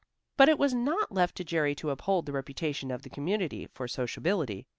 But it was not left to Jerry to uphold the reputation of the community for sociability.